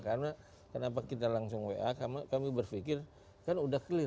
karena kenapa kita langsung wa kami berpikir kan udah clear ini